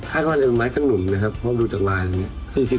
ถ้าว่าเป็นไม้กระหนุ่มนะครับเพราะดูจากลายอย่างนี้